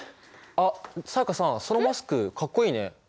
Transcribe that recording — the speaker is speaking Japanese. あっ才加さんそのマスクかっこいいね。